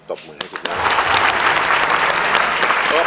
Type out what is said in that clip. ตบมือให้สุดนะ